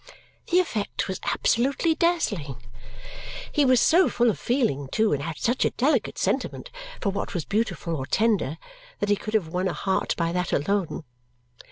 the effect was absolutely dazzling. He was so full of feeling too and had such a delicate sentiment for what was beautiful or tender that he could have won a heart by that alone.